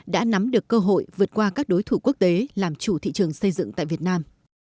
đã nắm được cơ hội vượt qua các đối thủ quốc tế làm chủ thị trường xây dựng tại việt nam